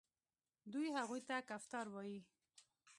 دوی هغوی ته کفتار وايي.